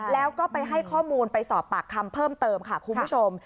แล้วก็ไปให้ข้อมูลไปสอบปากคำเพิ่มเติมค่ะคุณผู้ชม